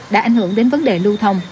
đã ảnh hưởng đến vấn đề lưu thông